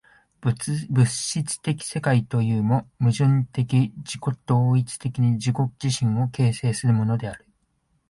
物質的世界というも、矛盾的自己同一的に自己自身を形成するものである。